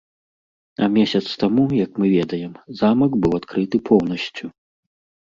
А месяц таму, як мы ведаем, замак быў адкрыты поўнасцю.